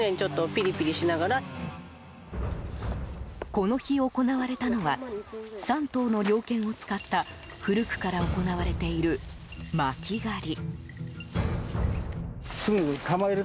この日、行われたのは３頭の猟犬を使った古くから行われている巻き狩り。